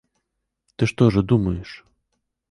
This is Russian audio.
Ты что же думаешь?